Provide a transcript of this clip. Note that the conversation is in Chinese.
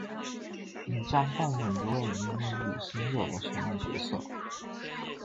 你将扮演一位名为「旅行者」的神秘角色。